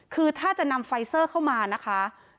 คือถ้าจะนำไฟเซอร์เข้ามานะคะ